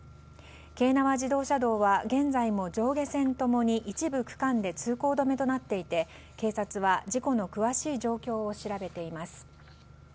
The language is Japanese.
京奈和自動車道は現在も上下線ともに一部区間で通行止めとなっていて警察は事故の詳しい状況を調べています。